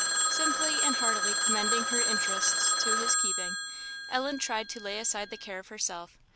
Simply and heartily commending her interests to his keeping, Ellen tried to lay aside the care of herself.